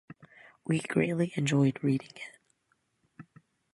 We greatly enjoyed reading it.